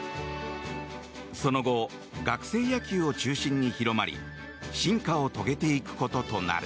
その後、学生野球を中心に広まり進化を遂げていくこととなる。